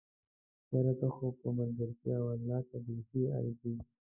یاره! ته خو په ملګرتيا ولله که بیخي ارځې!